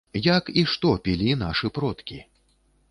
Як і што пілі нашы продкі?